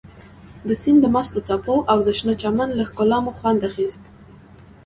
د سیند د مستو څپو او د شنه چمن له ښکلا مو خوند اخیست.